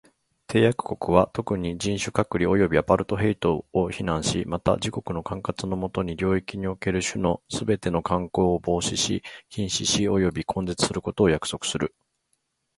締約国は、特に、人種隔離及びアパルトヘイトを非難し、また、自国の管轄の下にある領域におけるこの種のすべての慣行を防止し、禁止し及び根絶することを約束する。